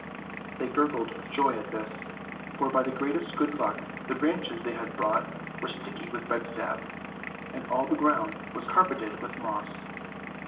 They gurgled with joy at this, for by the greatest good luck the branches they had brought were sticky with red sap, and all the ground was carpeted with moss.